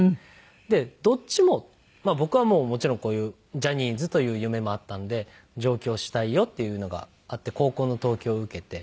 でどっちもまあ僕はもちろんこういうジャニーズという夢もあったので上京したいよっていうのがあって高校の東京を受けて。